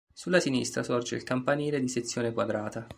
Sulla sinistra sorge il campanile di sezione quadrata.